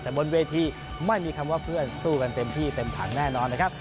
แต่บนเวทีไม่มีคำว่าเพื่อนสู้กันเต็มที่เต็มถังแน่นอนนะครับ